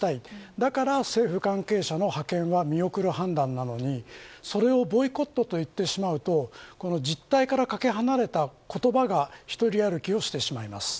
だから政府関係者の派遣は見送る判断なのにそれをボイコットと言ってしまうと実態からかけ離れた言葉が一人歩きをしてしまいます。